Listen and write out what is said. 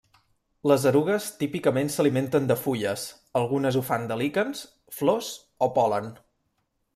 Les erugues típicament s'alimenten de fulles, algunes ho fan de líquens, flors o pol·len.